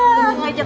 ini emang enak